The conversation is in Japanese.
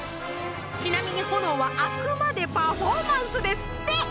ちなみに炎はあくまでパフォーマンスですって。